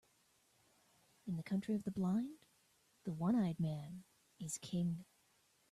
In the country of the blind, the one-eyed man is king.